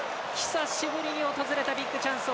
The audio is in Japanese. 久しぶりに訪れたビッグチャンス。